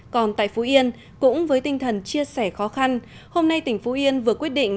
còn tại phú yên cũng với tinh thần chia sẻ khó khăn hôm nay tỉnh phú yên vừa quyết định